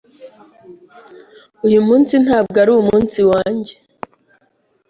Uyu munsi ntabwo ari umunsi wanjye.